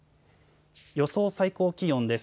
予想最低気温です。